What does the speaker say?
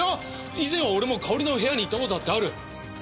以前は俺もかおりの部屋に行った事だってある。